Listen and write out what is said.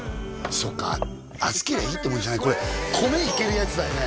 そっか厚けりゃいいってもんじゃないこれ米いけるやつだよね？